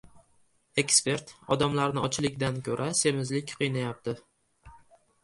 Ekspert: odamlarni ochlikdan ko‘ra semizlik qiynayapti